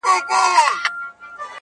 • میاشت لا نه وه تېره سوې ډزهار سو -